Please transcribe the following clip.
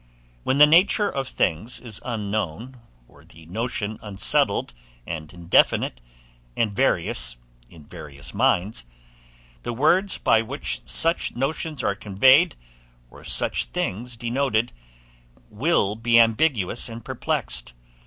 When the nature of things is unknown, or the notion unsettled and indefinite, and various in various minds, the words by which such notions are conveyed, or such things denoted, will be ambiguous and perplexed.